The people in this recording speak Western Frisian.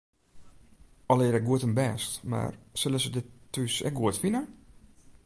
Allegearre goed en bêst, mar sille se dit thús ek goed fine?